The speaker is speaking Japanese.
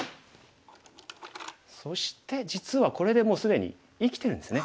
そして実はこれでもう既に生きてるんですね。